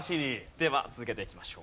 では続けていきましょう。